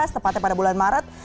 tepatnya pada bulan maret